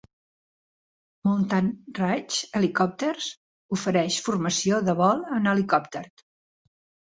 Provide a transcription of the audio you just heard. Mountain Ridge Helicopters ofereix formació de vol en helicòpter.